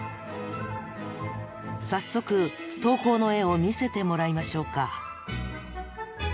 早速投稿の絵を見せてもらいましょうか。